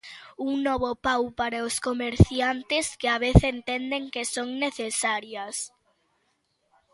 Un novo pau para os comerciantes, que á vez entenden que son necesarias.